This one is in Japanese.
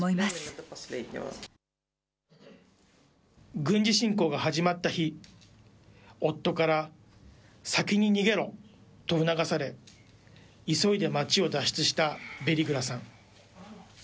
軍事侵攻が始まった日、夫から先に逃げろと促され、急いで街を脱出したベリグラさん。